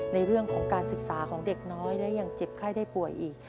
ในเรื่องของการศึกษาของเด็กน้อยและยังเจ็บไข้ได้ป่วยอีก